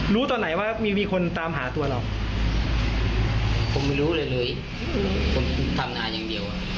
ตอนไหนว่ามีคนตามหาตัวเราผมไม่รู้อะไรเลยผมทำงานอย่างเดียว